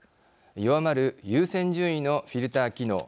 弱まる優先順位のフィルター機能。